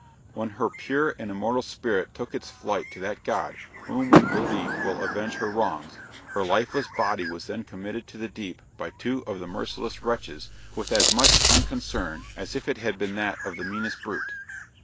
when her pure and immortal spirit took its flight to that God, whom, we believe, will avenge her wrongs! her lifeless body was then committed to the deep by two of the merciless wretches with as much unconcern, as if it had been that of the meanest brute!